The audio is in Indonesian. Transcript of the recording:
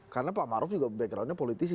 karena pak ma'ruf juga backgroundnya politisi